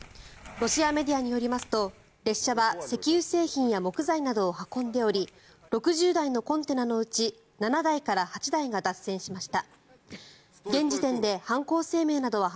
ロシアメディアによりますと列車は石油製品や木材などを運んでおり６０台のコンテナのうち７台から８台が脱線しました。